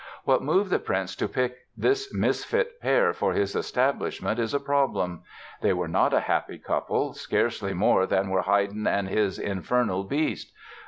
What moved the Prince to pick this misfit pair for his establishment is a problem. They were not a happy couple, scarcely more than were Haydn and his "Infernal Beast"!